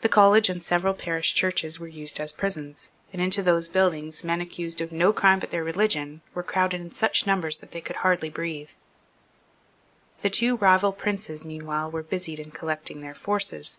The College and several parish churches were used as prisons; and into those buildings men accused of no crime but their religion were crowded in such numbers that they could hardly breathe, The two rival princes meanwhile were busied in collecting their forces.